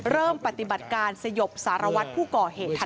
เริ่มปฏิบัติการสยบสารวัตรผู้ก่อเหตุทัน